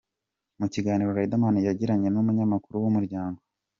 Mu kiganiro Riderman yagiranye n’umunyamakuru wa Umuryango.